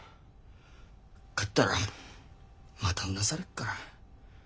帰ったらまたうなされっから。